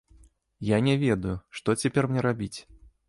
Я не ведаю, што цяпер мне рабіць?